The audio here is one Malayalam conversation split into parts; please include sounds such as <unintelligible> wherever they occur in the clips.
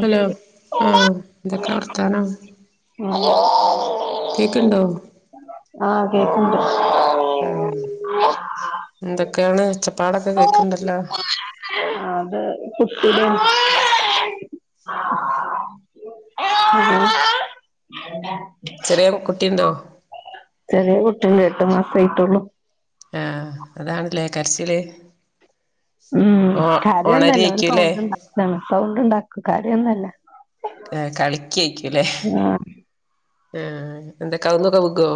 ഹലോ ആഹ എന്തൊക്കെ വർത്താനം <unintelligible> കേക്കണ്ടോ <unintelligible> എന്തൊക്കെയാണ് <unintelligible> <unintelligible> ഒച്ചപ്പാടൊക്കെ കേക്ക്ണ്ടല്ലോ ചെറിയ കുട്ടിണ്ടോ ചെറിയ കുട്ടില് എട്ട് മാസം ആയിട്ടുള്ളു ആഹ അതാണല്ലേ കരച്ചില് ഉം ഓ കാര്യമൊന്നുമല്ല ഒണരേക്കൂല്ലേ സൗണ്ട് ഉണ്ടാക്കാണ് സൗണ്ട് ഉണ്ടാക്കും കാര്യൊന്നുമല്ല ഏർ കളിക്കയിക്കല്ലേ ആ എന്തൊ കാവ്ന്നൊക്കെ വുഖോ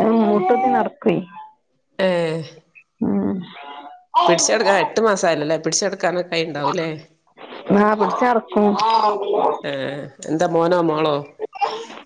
മ് മൂട്ടത്തി നടക്കോയ് ഏ ഉം പിടിച്ചെടുക്കാ എട്ട് മാസം അല്ലല്ലേ പിടിച്ചെടുക്കാന കൈ ഉണ്ടാവുംല്ലേ ന പിടിച്ച ഇറക്കും ഏഹ് എന്താ മോനോ മാളോ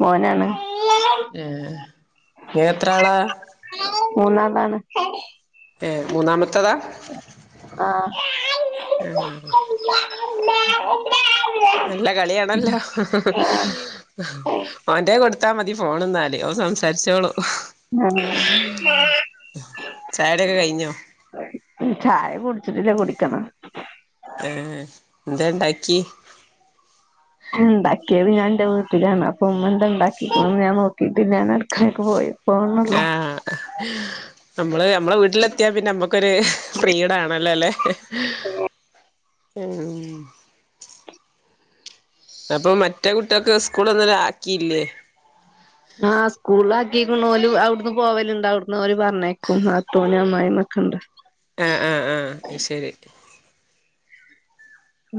മോനാണ് ഏ ങ്ങ എത്ര ആളാ മുന്നാളാണ് ഏ മൂന്നാമത്തേതാ ആഹ <unintelligible> നല്ല കളിയാണല്ലോ ആആ മോന്റെ കൊടു കൊടുത്താമതി ഫോൺ എന്നാല് ഒൻ സംസാരിച്ചോളൂ ചായടിക്കെ കഴിഞ്ഞോ? ഈ ചായ കുടിച്ചിട്ടില്ല കുടിക്കണം ഏർ എന്താ ഉണ്ടാക്കി. ഉണ്ടാക്കിയത് ഞാൻ എന്റെ വീട്ടിലാണ്. അപ്പ ഉമ്മ എന്ത ഉണ്ടാക്കിന്ന് ഞാൻ നോക്കിട്ട് ഞാൻ അടുക്കേക്ക് പോയിയ ആഹ നമ്മള് നമ്മളെ വീട്ടിലെത്തിയാ പിന്നെ നമ്മുക്കൊരു പ്രീട ആണല്ലേ അല്ലെ? ആ ഉം അപ്പൊ മറ്റേ കുട്ടികൊക്ക് സ്കൂൾ ഒന്ന് ആക്കിയില്ലേ? ആഹ് സ്കൂളിൽ ആാക്കിക്കുന്ന ഒല് അവിടന്ന് പോവലുണ്ട്. അവിടന്ന് അവര് പറഞ്ഞേക്കും. ആ നാത്തൂനും അമ്മയിമി അമ്മായിമ്മ ഓകണ്ട്. ആഹ ആഹ് ആഹ ശരി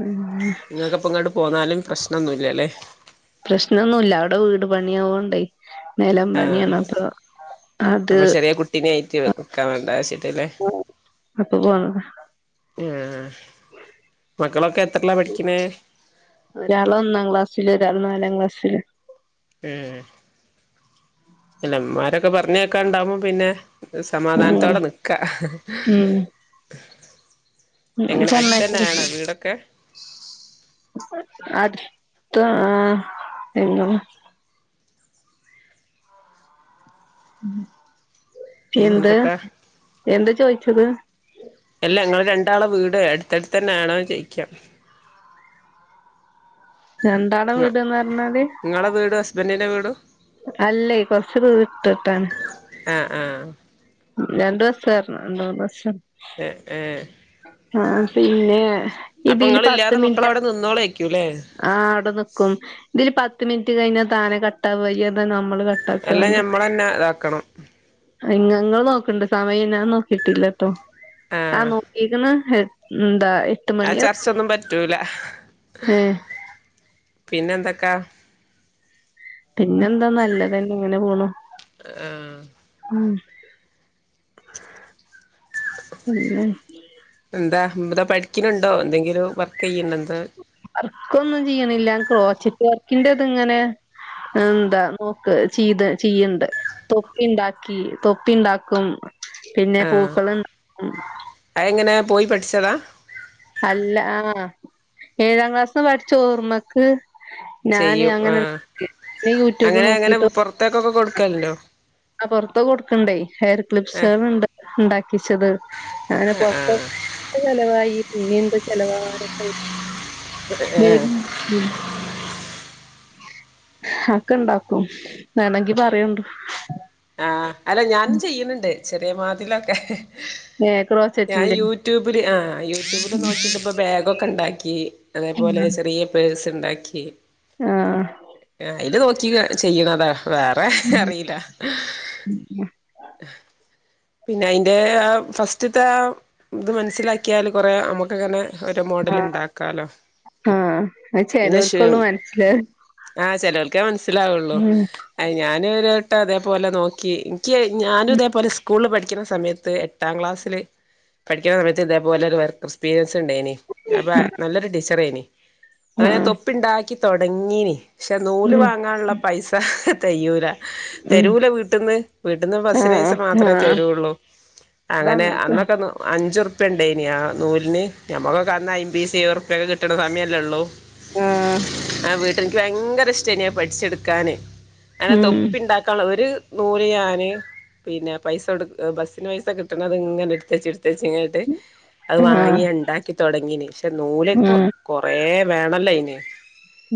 ഉം നിങ്ങൾക്ക്പ്പോ ഇങ്ങോട്ട് പോന്നാലും പ്രശ്നമൊന്നുമല്ലല്ലേ. പ്രശ്നംഒന്നുമല്ല അവിടെ വീട് പണിയ ആാവണ്ടേ നിലം ആഹ് പണിയണപ്പ അപ്പൊ ചെറിയ കുട്ടിനെ ആയിട്ട് നിക്കാൻ വൈക്കൂല അത് ശരി ലോ അപ്പൊ പോന്നതാ ഉം മക്കളൊക്കെ പഠിക്ക്ണേ ഒരാള് ഒന്നാം ക്ലാസ്സില് ഒരാൾ നാലാം ക്ലാസ്സില്. ഉം അല്ലമാരൊക്കെ പറഞ്ഞയക്കാണ്ടാവുമ്പോ പിന്നെ ഉം സമാധാനത്തോടെ നിക്കാ. ഉം ഓല് എങ്ങനെ പറഞ്ഞയക്കക്കെ അടുത്തന്നാണോ ചെയ്യും. വീടൊക്കെ <unintelligible> തു ആഹ് ആ എ എന്ത് പിന്നെന്തൊക്കെ എന്ത് ചോയിച്ചത്. ളെ വീട് അടുത്തടുത്ത് തന്നെ ആണോ ജയിക്കാം? രണ്ടാള വീട്ന്നറഞ്ഞാല്? ഇങ്ങളെ വീടും ഹസ്ബൻഡിന്റെ വീടും അല്ലേ കൊറച്ചു ദൂരം ഇട്ടിട്ടാണ്. ആഹ് ആഹ് രണ്ടു ബസ് കാറണം രണ്ട് മൂന്ന് ബസ എഹ് എഹ് ആഹഹ് പിന്നെ ഇതില് പത്ത് ഇങ്ങളില്ലാതെ മക്കളവിടെ മിനിറ്റ്. ! ! ! ! ! നിന്നോളേക്കൂല്ലേ ! ! ! ! ! ! ! ! ! ! ! ! ! ! ! ! അല്ല ഞമ്മളന്നെ ഇതാക്കണം ആഹ് ! ! ! ! ! ! ! ! ! ! ! !, ആ ചർച്ചൊന്നും പറ്റൂല ഏഹ് പിന്നെ എന്തൊ ക പിന്നെന്താ നല്ലത്ന്നെ എങ്ങനെ പോണു? ആഹ് ആഹ് പിന്നെ എന്താന്താ പഠിക്കുന്നുണ്ടോ എന്തെങ്കിലും വർക്ക് ചെയ്യുന്നു വർക്കൊന്നും ചെയ്യണില്ല ക്രോച്ചിറ്റ് വർക്കിന്റെ ഇത് ഇങ്ങനെ എന്താ നോക്ക് ചെയ്ത് ചെയ്യണ്ട് തൊപ്പി ഉണ്ടാക്കി തൊപ്പി ഉണ്ടാക്കും. പിന്നെ ആഹ് പൂക്കളും ണ്ടാ അതെങ്ങനെ പോയി പഠിച്ചതാ അല്ല ആഹ് ഏഴാം ക്ലാസ്ന്ന് പഠിച്ചു ഓർമ്മക്ക് ഞാന് ചെയ്യും അങ്ങനെ ആഹ് യൂടൂബ് അങ്ങനെ അങ്ങനെ നോക്കിട്ട്. പുറത്തേക്കൊക്കെ കൊടുക്കലുണ്ടോ ആ പൊറത്ത് കൊടുക്കണ്ടേ ഹെയർ ഏഹ് ക്ലിപ്സകൾ ഉണ്ട്. ഉണ്ടാക്കിച്ചത് അങ്ങനെ ആ മൊത്തം ആ ചിലവായി. ഇനി എന്ത് ചിലവാവനക്ക ആ അക്ക ഇണ്ടാക്കും. വേണെങ്കി പറയണ്ടു ആഹ് അല്ല ഞാനും ചെയ്യണണ്ട്. ചെറിയമാതിലൊക്കെ ഏഹ് ഞാൻ ക്രോച്ചറ്റിന്റെ യൂട്യൂബില് ആ യൂട്യൂബില് നോക്കിട്ടപ്പോ ബാഗൊക്കെ ഉണ്ടാക്കി. അതേപോലെ ചെറിയ പേഴ്സ് ഉണ്ടാക്കി. ആഹ് ക്കി ചെയ്യണതാ വേറെ അറിയില്ല. <unintelligible> പിന്നെ അയിന്റെ ഫസ്റ്റ്ത്തെ ആ ഇത് മനസ്സിലാക്കിയാൽ കൊറ നമുക്കങ്ങനെ ഒരോ മോഡൽ ഉണ്ടാക്കാലോ. ആഹ് അത് പിന്നെ ചെലോർക്കൊള്ളു മനസ്സിലാവ ചിലർക്കേ മനസ്സിലാവുള്ളൂ. അ ഞാൻ നേരിട്ട് അതേപോലെ നോക്കി എനിക്ക് ഞാനും ഇതേപോലെ സ്കൂളിൽ പഠിക്കുന്ന സമയത്ത് എട്ടാം ക്ലാസില് പഠിക്കുന്ന സമയത്ത് ഇതേപോലക്കെ വർക്ക് എക്സ്പീരിയൻ ഉണ്ടെനി അപ്പ നല്ലൊരു ടീച്ചറെ നി അങ്ങനെ ആഹ് തൊപ്പുണ്ടാക്കി തുടങ്ങീനെ പക്ഷെ നൂല് ഉം വാങ്ങാനുള്ള പൈസ തെകയുല ഉം തെരുല വീട്ടന്ന് വീട്ടന്ന് ബസ്സിന് പൈസ ആഹ് മാത്രം. അ ആഹ് തരുള്ളൂ അങ്ങനെ അതങ്ങൻത്തന്നെ അന്നൊക്കെ അന്ന് അഞ്ചുറുപ്പി ഇപ്പണ്ടേനി ആ നൂലിന് നമുക്കെ അന്ന് അയൻമ്പിസ് റുപ്പൊക്കെ കിട്ടണ സമയമല്ലേ ഉള്ളൂ. ആഹ് എക്ക് ഭയങ്കര ഇഷ്ടാനെ പഠിച്ചെടുക്കാന് അനെ ഉം തൊപ്പിണ്ടാക്കാനുള്ള ഒരു നൂറ് യാന് പിന്നെ പൈസ കൊടു ബസ്സിന് പൈസ കിട്ടണത് ഇങ്ങനെ എടുത്തച്ച് എടു തീച്ച്ങ്ങട്ട് അത് ആഹ് വാങ്ങിയണ്ടാക്കി തൊടങ്ങീനി പക്ഷെ നൂല് പ്പൊ ആഹ് കൊറെ വേണല്ലോയ്ന്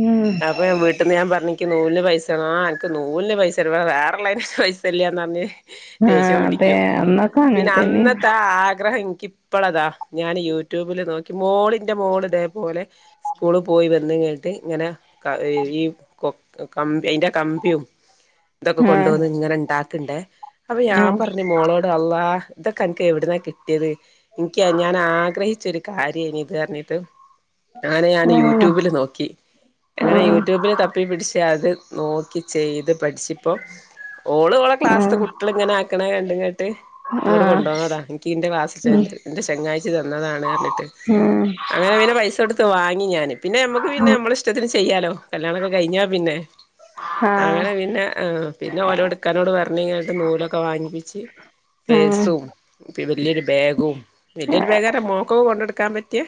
ഉം അപ്പൊ വീട്ടിന്ന് ഞാൻ <unintelligible> എക്ക് നൂലിന് പൈസ വേണ ആ അനക്ക് നൂലിന് പൈസ ഇടെ വേറെള്ളൈന് പൈസ ഇല്ല്യാന്ന് പറഞ്ഞ്. ദേശ്യം ആഹ് അതെ പിടിക്കൂ അന്നൊക്കെ പിന്നെ അങ്ങൻതന്നേനി അന്നത്തെ ആ ആഗ്രഹം. ക്കിപ്പോളതാ ഞാന് യൂട്യൂബിൽ നോക്കി മോളിൻ്റെ മോള് ഇതേപോലെ സ്കൂള് പോയി വന്ന്ങ്ങാണ്ട് ഇങ്ങനെ ഈ കമ്പി ന്റെ കമ്പിയും. ഇതൊക്കെ ആഹ് കൊണ്ടുവന്ന് ഇങ്ങനെ ഉണ്ടാക്ക്ണ്ടേ. അപ്പൊ ഞാൻ ആഹ് പറഞ്ഞു മോളോട് അള്ളാ!. ഇതൊക്കെ അന്ക്ക് എവിടുന്നാ കിട്ടിയത്. എനിക്കാ ഞാൻ ആഗ്രഹിച്ചൊരു കാര്യംനി ഇത് അറഞ്ഞിട്ട് ആനെ ഞാന് ഓഹ് യൂട്യൂബില് നോക്കി അങ്ങനെ ആഹ് യൂട്യൂബില് തപ്പി പിടിച്ച അത് നോക്കി ചെയ്ത് പഠിച്ചിപ്പോ ഓള് ഓളെ ക്ലാസ് ആഹ് ക്കള്ങ്ങനാക്കണ കണ്ടും കണ്ട് ങ്ങട് ആഹ് കൊണ്ടോന്നതാ. എക്ക് ഇന്റെ ക്ലാസിത്തെ ഉം എന്റെ ചങ്ങാഴ്ച്ചി തന്നതാണ് അറഞ്ഞിട്ട് ഉം അങ്ങനെ പിന്നെ പൈസ കൊടുത്തു വാങ്ങി. ഞാന് പിന്നെ ഞമ്മക്ക് പിന്നെ ഉം നമ്മളിഷ്ടത്തിന് ചെയ്യാലോ. കല്യാണൊക്കെ കഴിഞ്ഞാ പിന്നെ ആഹ് അങ്ങനെ പിന്നെ പിന്നെ ഓലോട് ഇക്കാനോട് പറഞ്ഞ് ങ്ങനത്തെ നൂലൊക്കെ വാങ്ങിപ്പിച്ച്. ഉം പേഴ്സും, വല്യൊരു ബേഗും, വല്യരുബേഗാൻ്റെ മോക്കൊ കൊണ്ടടക്കാൻ പറ്റിയെ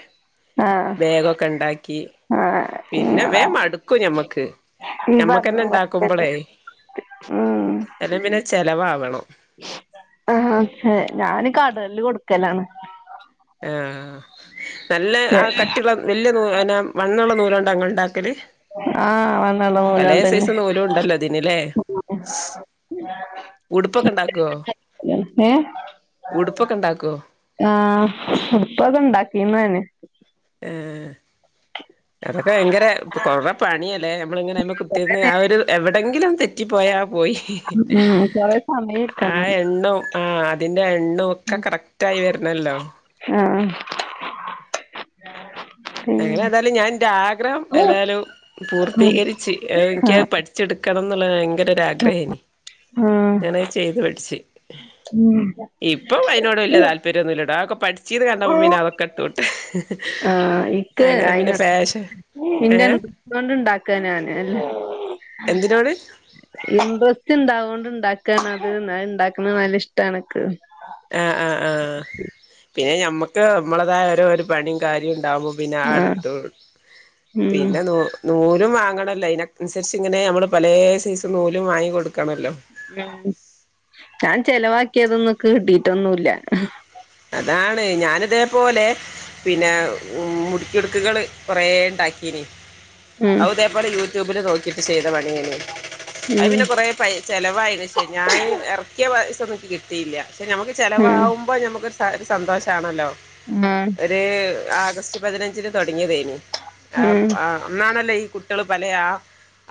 ആഹ് ബേഗൊക്കെണ്ടാക്കി. ആഹ് പിന്നെ ഇങ്ങളാ വേം മടുക്കും ഞമ്മക്ക് ഇയ്യ് പറഞ്ഞ ഞമ്മക്കെന്നെ പോലെ തന്നെ ഉണ്ടാക്കുമ്പോളേ ഉം ആ ഞാന് കടേല് കൊടുക്കലാണ്. ആ നല്ല ആ കട്ടിയുള്ള വല്യ നൂ വണ്ണള്ള നൂലൊണ്ടാ ങ്ങള്ണ്ടാക്ക ല്. ആഹ് വന്നള്ള പലേ നൂലോണ്ടന്നെ സൈസ് നൂലുണ്ടല്ലോ? ഇതിന്ല്ലേ. ഉടുപ്പൊക്കെ ഉണ്ടാക്കോ ആ ഉടുപ്പക്ക ഇണ്ടാക്കിന്ന്നെ ആ അതൊക്കെ ഭയങ്കര <unintelligible> പണിയല്ലേ എമ്മളിങ്ങനെ അയ്മ്മേകുത്തിന്ന് ആ ഒരു എവിടെങ്കിലൊന്ന് തെറ്റിപ്പോയാ പോയി. ഉം കൊറേ ആ സമയക്കണേ എന്തോ. ആ അതിന്റെ എണ്ണോക്കെ കറക്റ്റായി വരണോല്ലോ., ആ... അങ്ങനെ തായാലും ഞാൻ എന്റെ ആഗ്രഹം ഏതായാലും പൂർത്തീകരിച്ച് എനിക്കത് ആഹ് പഠിച്ചെടുക്കണംന്ന് ഭയങ്കരൊരാഗ്രഹയെയ്ന്ന് ആഹ് ഞാനത് ചെയ്ത് പഠിച്ച്... ഇപ്പം അതിനോട് വല്യ താല്പര്യംന്നുമില്ലടോ അതൊക്കെ പഠി... ച്ചീന്ന് കണ്ടപ്പോൾ പിന്നെ അതൊക്കെ ഇട്ടോട്ട് അങ്ങനെ പിന്നെ ഫേ.. <unintelligible> ഇണ്ടാക്കാനാണ് അല്ല എന്തിനോട് ഇൻട്രസ്റ്റ് ഇണ്ടാവുകൊണ്ട് ഇണ്ടാക്കാനാത് ന്ന് അത് ഇണ്ടാക്കുന്ന നല്ല ഇഷ്ടാനക്ക്... ആ ആ ആ പിന്നെ ഞമ്മക്ക് നമ്മളതായ ഓരോ ഒരു പണിയും കാര്യം... ആഹ് <unintelligible> ഉം പിന്നെ നു <unintelligible> ലും വാങ്ങണല്ലൊ അയ്‌ന് അനുസരിച്ച് ഇങ്ങനെ അമ്മള് പലേ സൈസ് നൂലും വങ്ങി കൊടു ഉം ഞാൻ ചെലവാക്കിയതൊന്നും ഇക്ക് കിട്ടിട്ടൊന്നുല്ല... അതാണ് ഞാനിതേപോലെ പിന്നെ മുടിക്ക്ടുക്കുകൾ കൊറെ ഉണ്ടാക്കീനി.. ഉം അവും ഇതെപോലെ യൂട്യൂബില് നോക്കിട്ട് ചെയ്ത പണിയെയ്ന്ന്... അത് ഉം പിന്നെ കൊറേ പൈ ചെലവായിന് ക്ഷേ ഞാന് എറക്കിയ പൈസ ഒന്നും കിട്ടിയില്ല.... പക്ഷെ ഞമ്മുക്ക് ഉം ചിലവാവുംബോ നമുക്ക് ഒരു സന്തോഷാണല്ലോ ഉം ഒര്... ആഗസ്റ്റ് പതിനഞ്ചിന് തുടങ്ങിയതേയ്ന്നു അ പ ഉം അന്നാണല്ലോ ഈ കു... ട്ട്യള് പലെ ആ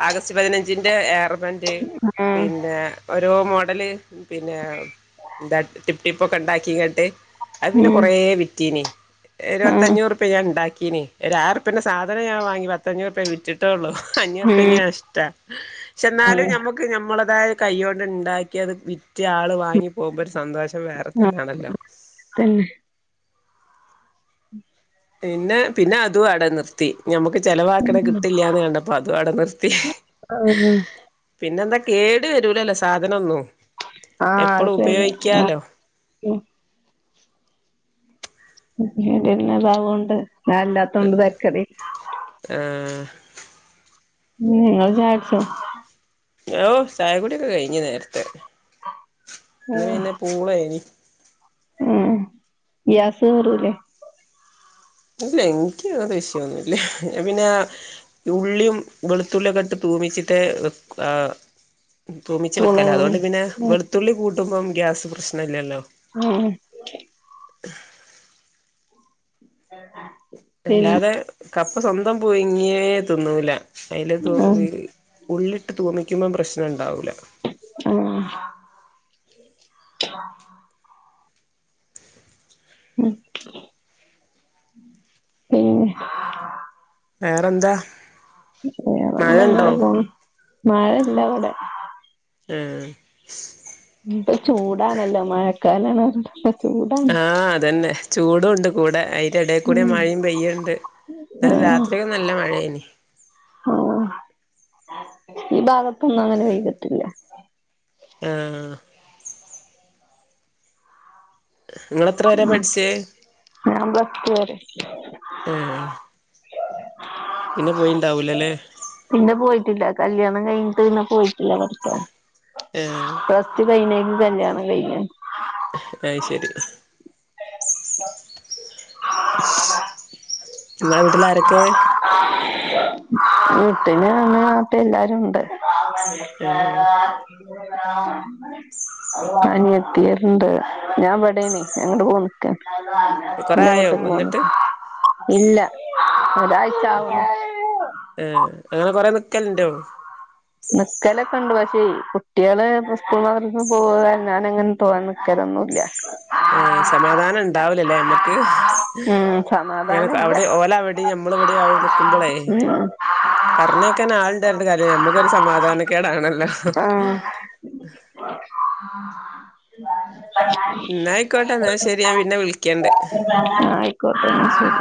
ആഗസ്റ്റ് പതിനഞ്ചിന്റെ ഏർ ബെൻഡ് ഉം പിന്നെ ഓരോമൊട്ട്... കടല് പിന്നെ എന്താ ടിപ്പ് ടിപ്പ് ക്കെ ഒണ്ടാക്കിട്ട്... അത് പിന്നെ ഉം കൊറേ വിറ്റീന്ന്... ആഹ് ഇരുപത്തഞ്ഞൂറുപ്യ ഞൻ ഇണ്ടാകീന്ന് ഒരു ആയിരംഉറപ്പിയെന്റെ സാധനം ഞാൻ വാങ്ങി പത്തഞ്ഞൂറുപ്യ വിറ്റി ട്ടേള്ളൂ... അഞ്ഞൂർപ്യ എനിക്ക് നഷ്ട്ടാ പക്ഷെ എന്നാലും ഉം ഞമ്മക്ക് ഞമ്മളേതായ കൈ കൊണ്ട് ഉണ്ടാക്കിയത് വിറ്റ്... <unintelligible> ഓര് ആള് വാങ്ങി പോകുമ്പോ ഒരു സന്തോഷം വേറെ ആഹ് തന്നെയാണല്ലോ.. തന്നെ. പിന്നെ പിന്നെ അതും അടെ നിർത്തി.. ഞമ്മുക്ക് ചെലവാക്ക്ണ് കിട്ടില്യാന്ന് കണ്ടപ്പ അതും അവിടെ നിർത്തി ആഹ് പിന്നെന്തൊ.. കെട് വരൂലല്ലോ സാധനം ഒന്നും.. ആഹ് എപ്പളും അത് ശരിയാ ഉപയോഗിക്കാലോ... <unintelligible> താവോണ്ട് ഞാൻല്ലാത്തോണ്ട് തരകെട്.. <unintelligible> <unintelligible> ആഹ് ഇങ്ങള്ള് ചായ കുടിച്ചോ.. ഓ ചായക്കുടിയൊക്കെ കഴിഞ്ഞു നേരത്തെ ഇന്ന് ഉം പിന്നെ പൂളയ്ന്. ഉം ഗ്യാസ് ക്കെറൂലേ... ഇല്ല എനിക്ക് അത് വിഷയൊന്നുല്ല പിന്നെ ഉള്ളിയും വെളുത്തുള്ളിയൊക്കെ ഇട്ട് തു തുംപിച്ചിട്ട് <unintelligible> ആ.. തൂബിച്ച് വെക്കലാ അതോണ്ട് പിന്നെ വെളുത്തുള്ളി കൂട്ടുമ്പം ഗ്യാസ് പ്രശ്നം ഇല്ലല്ലോ.... ഉം <unintelligible> ആ ആ.. <inaudible> അല്ലാതെ കപ്പ സ്വന്തം പുയിങ്ങിയ തിന്നൂല അതില് തു ഇ. ആഹ് <unintelligible> ഉള്ളിട്ട് തൂബിക്കുമ്പം പ്രശ്നം ഉണ്ടാവും... ആഹ.. <inaudible> ഉ പിന്നെ.. വെറെന്ത.. വെറെന്നുല്ല ങ്ങനെ പോണ് മഴ ഇല്ലേ ഇവിടെ... ആ.. ഇപ്പൊ ചൂടാണല്ലോ <unintelligible> <inaudible> ആഹ് അതന്നെ ചൂടു ഉണ്ട് കൂടെ അയ്.. ഏടെ കൂടെ ഉം മഴയും പെയ്യുണ്ട് ഇന്നലെ ആഹ് രാത്രി യൊക്കെ നല്ല മഴേന്ന്.. ആ ഈ ഭാഗത്തൊന്നും അങ്ങനെ പെ യ്തിട്ടില്ല... ആഹ.. നിങ്ങള് എത്ര വരെ ഉം പഠിച്ചേ ഞാൻ പ്ലസ്റ്റു വരെ... ആഹ് പിന്നെ പോയിണ്ടാവൂലല്ലേ പിന്നെ പോയിട്ടില്ല കല്യാണം കഴി ഇല്ല പോയിട്ടില്ല പഠിക്കാൻ ആഹ് പ്ലസ്ടു കയിഞ്ഞേക്ക് കല്യാണം കഴിഞ്ഞ അയ് ശരി നിങ്ങളെ വീട്ടിൽ ആാരൊക്കെ വീട്ടിനാണ്ത്തെ എല്ലാരും ഉണ്ട് ആഹ് അനിയത്തി ഞാൻ വടെന്ന് ഞങ്ങോട്ട പോനിക്കാണ് കൊറേ എന്റെ ആയോ വീട്ടക്ക് പോന്ന വന്നിട്ട് ഇല്ല ആവുണു ഏ അങ്ങനെ കുറെ നിക്കലുണ്ടോ നിക്കലൊക്കെ ഉണ്ട് പക്ഷേ കുട്ടികള് സ്കൂൾ മദ്രസ്സ പോവ ഞാൻ അങ്ങനെ തോന്നെ നിക്കലൊന്നും ഒന്നുമില്ല ഏ സമാധാനം ഉണ്ടാവലല്ലേ മ്മക്ക് ഉം അങ്ങനെ സമാധാനം അവിടെ ഇല്ല ഓല അവിടെയും നമ്മൾ എവിടെയാ നക്കുമ്പോളേ പറഞ്ഞേക്കന്നെ ആളുണ്ടെന്നു പറഞ്ഞിട്ട് കാര്യല്ല്യ നമ്മുക്കൊരു സമാധാനക്കേടാണല്ല ആ എന്നാ ആയിക്കോട്ടെ എന്നാ ശരി ഞാൻ പിന്നെ വിളിക്കണ്ട് ആ ആയിക്കോട്ടെ എന്നാ ശെരി